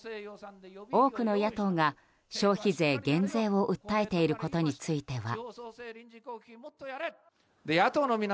多くの野党が消費税減税を訴えていることについては。